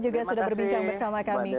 juga sudah berbincang bersama kami